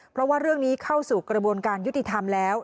เพราะว่าเรื่องนี้เข้าสู่กระบวนการยุติธรรมแล้ว